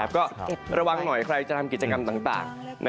ก็ระวังหน่อยใครจะทำกิจกรรมต่าง